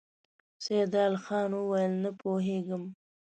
سيدال خان وويل: نه پوهېږم!